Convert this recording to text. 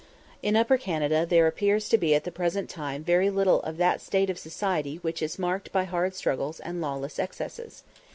In Upper Canada there appears to be at the present time very little of that state of society which is marked by hard struggles and lawless excesses.